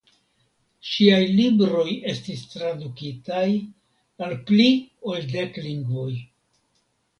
Ŝiaj libroj estis tradukitaj al pli ol dek lingvoj.